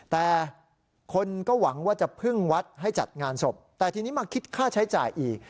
แต่คนก็หวังว่าจะพึ่งวัดให้จัดงานศพแต่ทีนี้มาคิดค่าใช้จ่ายอีก